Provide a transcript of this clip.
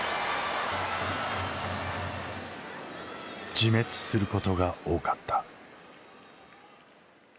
自滅することが多かった。